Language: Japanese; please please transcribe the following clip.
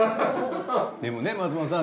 でもね松本さん